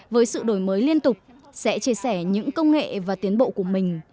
với sự đổi mới liên tục sẽ chia sẻ những công nghệ và tiến bộ của mình